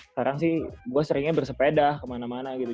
sekarang sih gue seringnya bersepeda kemana mana gitu